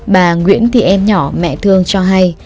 bà nguyễn thì em nhỏ mẹ thương cho hay